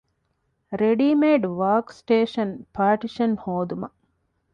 ރެޑީމޭޑް ވާރކް ސްޓޭޝަން ޕާޓިޝަން ހޯދުމަށް